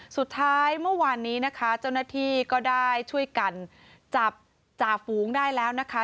สุดท้ายเมื่อวานนี้นะคะเจ้าหน้าที่ก็ได้ช่วยกันจับจ่าฝูงได้แล้วนะคะ